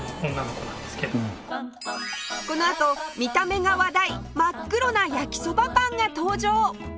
このあと見た目が話題真っ黒な焼きそばパンが登場！